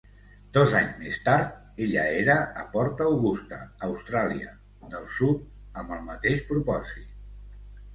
Dos anys més tard, ella era a Port Augusta, Austràlia del Sud, amb el mateix propòsit.